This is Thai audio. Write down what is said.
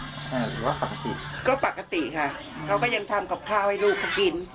หรือว่าปกติก็ปกติค่ะเขาก็ยังทำกับข้าวให้ลูกเขากิน